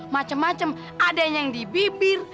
macem macem ada yang di bibir